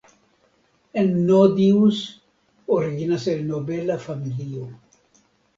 Ennodius originas el nobela familio.